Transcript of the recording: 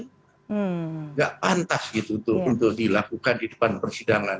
tidak pantas gitu untuk dilakukan di depan persidangan